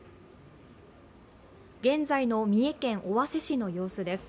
現在の三重県尾鷲市の様子です。